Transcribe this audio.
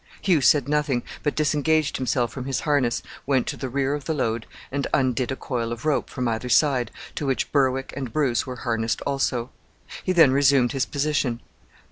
Hugh said nothing, but disengaged himself from his harness, went to the rear of the load, and undid a coil of rope from either side, to which Berwick and Bruce were harnessed also. He then resumed his position.